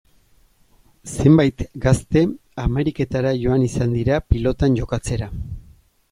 Zenbait gazte Ameriketara joan izan dira pilotan jokatzera.